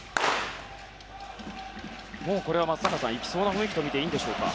これは松坂さん行きそうな雰囲気とみていいでしょうか。